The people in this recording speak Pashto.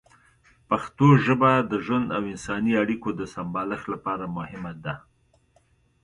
پښتو ژبه د ژوند او انساني اړیکو د سمبالښت لپاره مهمه ده.